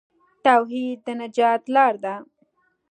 توحید د نجات لار ده.